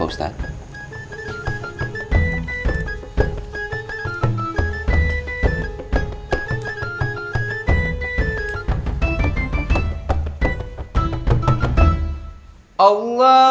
harus luar biasa bicara eike yang jelas